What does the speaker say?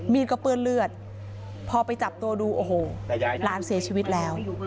ก็เปื้อนเลือดพอไปจับตัวดูโอ้โหหลานเสียชีวิตแล้ว